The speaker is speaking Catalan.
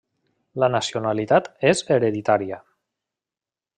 La nacionalitat és hereditària.